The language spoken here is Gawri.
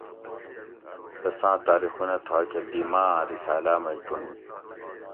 تساں تاریخونہ تھا کہ دی ما آں رسالاۤ مئ چُنڑی